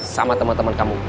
sama teman teman kamu